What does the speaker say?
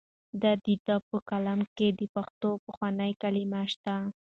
د ده په کلام کې د پښتو پخوانۍ کلمې شته.